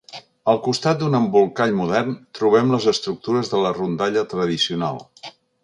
All costat d’un embolcall modern, trobem les estructures de la rondalla tradicional.